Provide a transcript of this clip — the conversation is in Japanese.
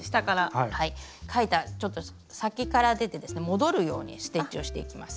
描いたちょっと先から出てですね戻るようにステッチをしていきます。